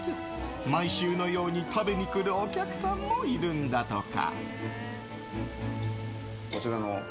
毎週のように食べにくるお客さんもいるんだとか。